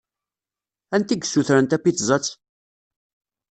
Anta i yessutren tapizzat?